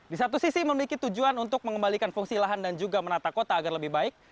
di satu sisi memiliki tujuan untuk mengembalikan fungsi lahan dan juga menata kota agar lebih baik